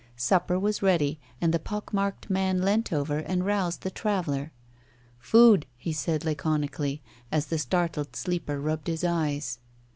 Supper was ready, and the pock marked man leant over and roused the traveller. "Food," he said laconically, as the startled sleeper rubbed his eyes.